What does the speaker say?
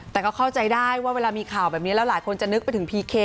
แต่ก็เข้าใจได้ว่าเวลามีข่าวแบบนี้แล้วหลายคนจะนึกไปถึงพีเค